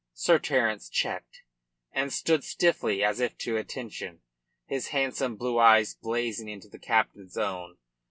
Sir Terence checked, and stood stiffly as if to attention, his handsome blue eyes blazing into the captain's own.